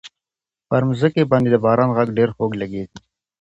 پر مځکي باندي د باران غږ ډېر خوږ لګېدی.